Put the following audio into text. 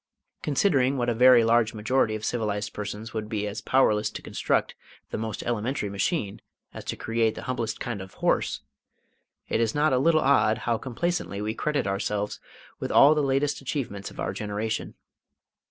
Considering what a very large majority of civilised persons would be as powerless to construct the most elementary machine as to create the humblest kind of horse, it is not a little odd how complacently we credit ourselves with all the latest achievements of our generation.